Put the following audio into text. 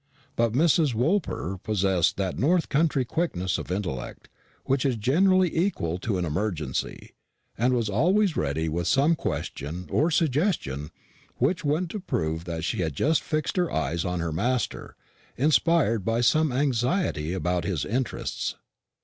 But Mrs. Woolper possessed that north country quickness of intellect which is generally equal to an emergency, and was always ready with some question or suggestion which went to prove that she had just fixed her eyes on her master, inspired by some anxiety about his interests.